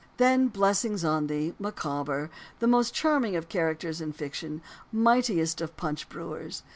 '" Then blessings on thee, Micawber, most charming of characters in fiction, mightiest of punch brewers!